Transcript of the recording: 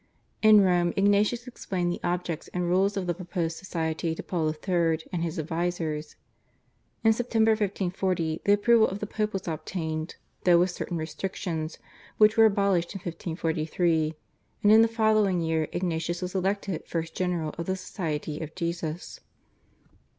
In Rome Ignatius explained the objects and rules of the proposed society to Paul III. and his advisers. In September 1540 the approval of the Pope was obtained though with certain restrictions, which were abolished in 1543, and in the following year Ignatius was elected first general of the Society of Jesus.